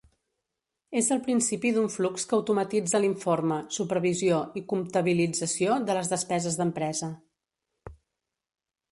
És el principi d'un flux que automatitza l'informe, supervisió i comptabilització de les despeses d'empresa.